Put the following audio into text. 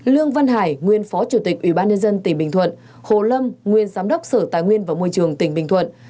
lương văn hải nguyên phó chủ tịch ủy ban nhân dân tỉnh bình thuận hồ lâm nguyên giám đốc sở tài nguyên và môi trường tỉnh bình thuận